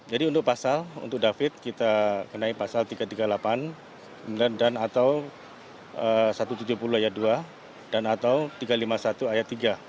jadi untuk pasal untuk david kita kenaik pasal tiga ratus tiga puluh delapan dan atau satu ratus tujuh puluh ayat dua dan atau tiga ratus lima puluh satu ayat tiga